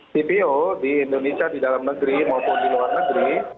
cpo di indonesia di dalam negeri maupun di luar negeri